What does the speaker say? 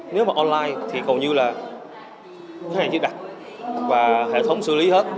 nếu mà online thì cầu như là khách hàng chỉ đặt và hệ thống xử lý hết